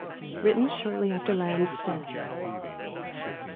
'" _Written shortly after Lamb's death.